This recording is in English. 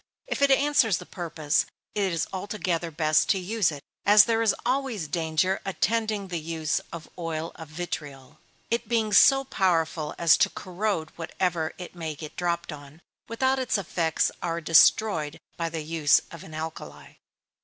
If it answers the purpose, it is altogether best to use it, as there is always danger attending the use of oil of vitriol, it being so powerful as to corrode whatever it may get dropped on, without its effects are destroyed by the use of an alkali.